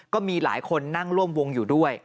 ก็มีหลายคนนั่งร่วมวงอยู่ด้วย